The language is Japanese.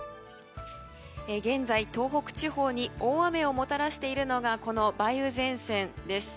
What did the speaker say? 現在、東北地方に大雨をもたらしているのがこの梅雨前線です。